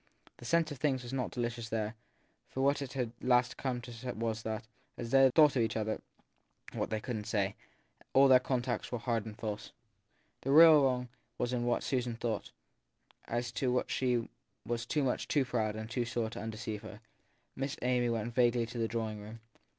The sense of things was not delicious there, for what it had at last come to was that, as they thought of each other what they couldn t say, all their contacts were hard and false. The real wrong was in what Susan thought as to which she was much too proud and too sore to undeceive her. Miss Amy went vaguely to the drawing room.